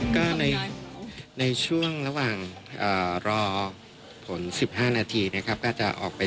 ขณะที่ทีมแม่ป้างก็ปฎีบันหน้าที่ได้แบบสตรี